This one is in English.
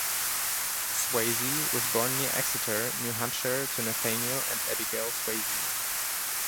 Swasey was born near Exeter, New Hampshire to Nathaniel and Abigail Swasey.